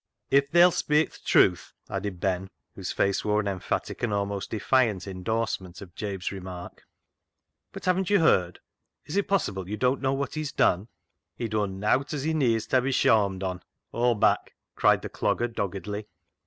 " If they'll speik th' truth," added Ben, whose face wore an emphatic and almost defiant in dorsement of Jabe's remark. " But haven't you heard ? Is it possible you don't know what he has done ?"" He's dun nowt as he needs ta be shawmed on, Aw'll back," cried the Clogger doggedly.